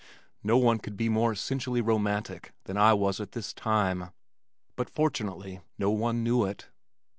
No one could be more essentially romantic than I was at this time but fortunately no one knew it!